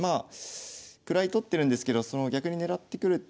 位取ってるんですけど逆に狙ってくるっていうのがね